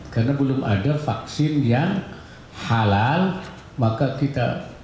karena belum ada vaksin yang halal maka kita